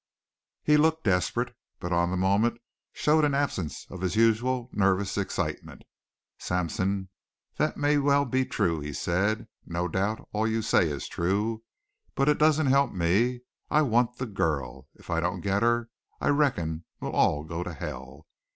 He looked desperate, but on the moment showed an absence of his usual nervous excitement. "Sampson, that may well be true," he said. "No doubt all you say is true. But it doesn't help me. I want the girl. If I don't get her I reckon we'll all go to hell!"